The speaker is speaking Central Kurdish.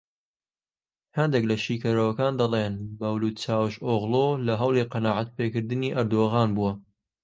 هەندێک لە شیکەرەوەکان دەڵێن مەولود چاوشئۆغڵو لە هەوڵی قەناعەتپێکردنی ئەردۆغان بووە